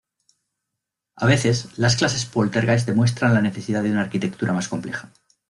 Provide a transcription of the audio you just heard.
A veces, las clases poltergeist demuestran la necesidad de una arquitectura más compleja.